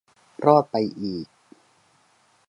รอดไปอีก